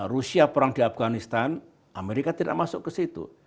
rusia perang di afganistan amerika tidak masuk ke situ